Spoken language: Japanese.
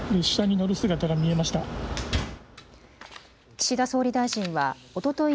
岸田総理大臣はおととい